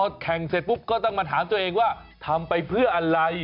พอแข่งเสร็จปุ๊บก็ต้องมาถามตัวเองว่าทำไปเพื่ออะไร